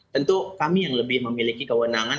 tentu kami yang lebih memiliki kewenangan